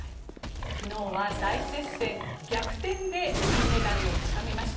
昨日は大接戦逆転で金メダルをつかみました。